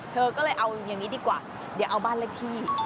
เธอก็เลยเอาอย่างนี้ดีกว่าเดี๋ยวเอาบ้านเลขที่